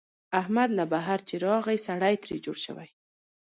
احمد له بهر چې راغی، سړی ترې جوړ شوی.